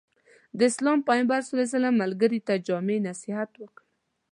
د اسلام پيغمبر ص ملګري ته جامع نصيحت وکړ.